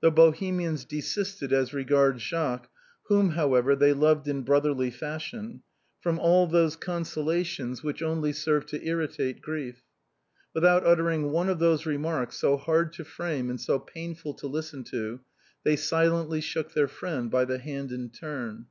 The Bohemians desisted as regards Jacques, whom, however, they loved in brotherly fashion, from all those consolations which only serve to irritate grief. With out uttering one of those remarks so hard to frame and so painful to listen to, they silently shook their friend by the hand in turn.